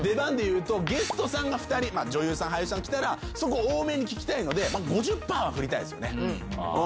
ゲストさんが２人女優さん俳優さん来たらそこ多めに聞きたいので５０％は振りたいですよね。